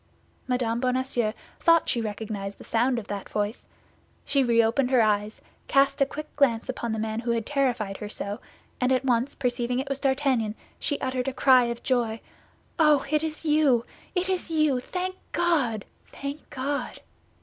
Mme. Bonacieux thought she recognized the sound of that voice; she reopened her eyes, cast a quick glance upon the man who had terrified her so, and at once perceiving it was D'Artagnan, she uttered a cry of joy, "Oh, it is you, it is you! Thank God, thank God!"